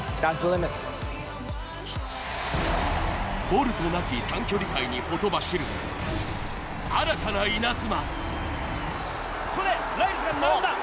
ボルトなき短距離界にほとばしる新たな稲妻。